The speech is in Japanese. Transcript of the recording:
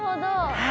はい。